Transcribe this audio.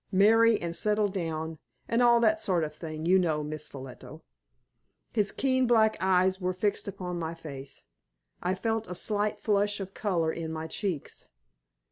Marry and settle down, and all that sort of thing, you know, Miss Ffolliot." His keen, black eyes were fixed upon my face. I felt a slight flush of color in my cheeks.